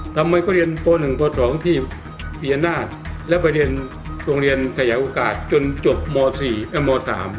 ทำไมก็เรียนโปร๑โปร๒ที่เบียนราชแล้วไปเรียนโรงเรียนขยายโอกาสจนจบโม๔โม๓